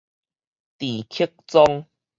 鄭克 𡒉